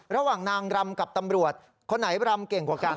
ระหว่างนางรำกับตำรวจคนไหนรำเก่งกว่ากัน